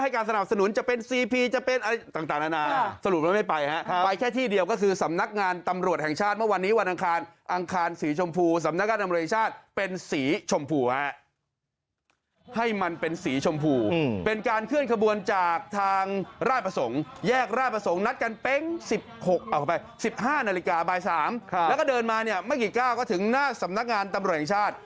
ก็ถึงหน้าสำนักงานตำรวจแห่งชาติ